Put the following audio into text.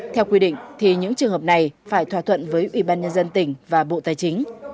theo quy định thì những trường hợp này phải thỏa thuận với ủy ban nhân dân tỉnh và bộ tài chính